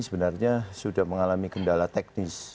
sebenarnya sudah mengalami kendala teknis